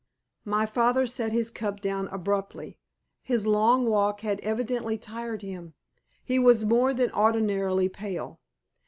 My father set his cup down abruptly. His long walk had evidently tired him. He was more than ordinarily pale.